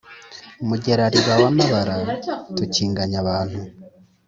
mugera-riba wa mabara tukinganya abantu!